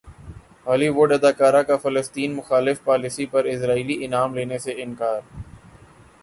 ہالی وڈ اداکارہ کا فلسطین مخالف پالیسی پر اسرائیلی انعام لینے سے انکار